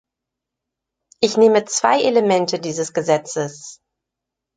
Ich nehme zwei Elemente dieses Gesetzes.